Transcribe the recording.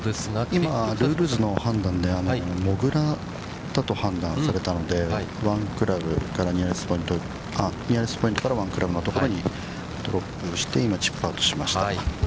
◆今、ルールズの判断でモグラだと判断されたので、ニアレスポイントから１クラブのところにドロップして、今チップアウトしました。